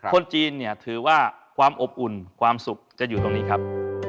คนจีนเนี่ยถือว่าความอบอุ่นความสุขจะอยู่ตรงนี้ครับ